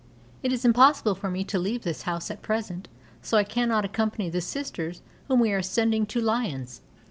It is impossible for me to leave this house at present, so I cannot accompany the Sisters whom we are sending to Lyons.